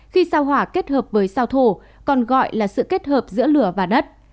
khi sao hỏa kết hợp với sao thổ còn gọi là sự kết hợp giữa lửa và đất